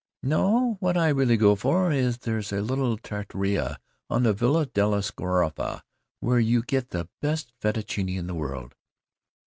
"No, what I really go for is: there's a little trattoria on the Via della Scrofa where you get the best fettuccine in the world."